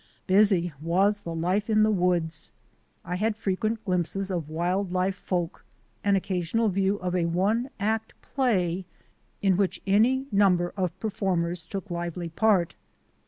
Busy was the life in the woods. I had frequent glimpses of wild life folk, an occasional view of a one act play in which any number of performers took lively part.